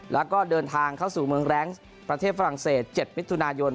แล้วก็เดินทางเข้าสู่เมืองแรงซ์ประเทศฝรั่งเศส๗มิถุนายน